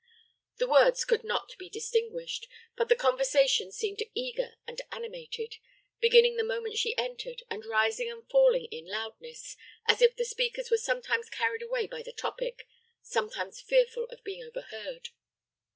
The words used could not be distinguished, but the conversation seemed eager and animated, beginning the moment she entered, and rising and falling in loudness, as if the speakers were sometimes carried away by the topic, sometimes fearful of being overheard.